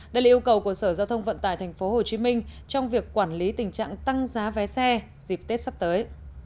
đây là yêu cầu của sở giao thông vận tải tp hcm trong việc quản lý tình trạng tăng giá vé xe dịp tết sắp tới